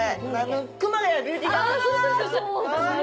熊谷ビューティー学院！